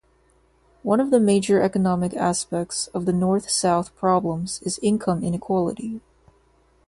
One of the major economic aspects of the North-South problems is income inequality.